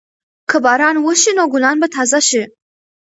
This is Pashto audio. که باران وشي نو ګلان به تازه شي.